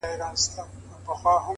تامي د خوښۍ سترگي راوباسلې مړې دي كړې؛